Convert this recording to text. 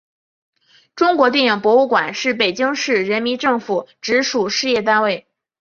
中国电影博物馆是北京市人民政府直属事业单位。